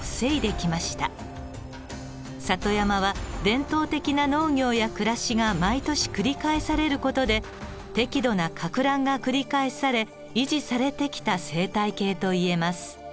里山は伝統的な農業や暮らしが毎年繰り返される事で適度なかく乱が繰り返され維持されてきた生態系といえます。